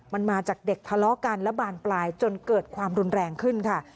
มันมาจากเด็กทะเลาะกันและบานปลายจนเกิดความรุนแรงขึ้นค่ะ